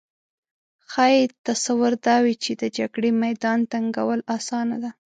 ښايي تصور دا وي چې د جګړې میدان تنګول اسانه ده